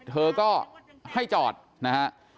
เธอก็ให้จอดนะฮะ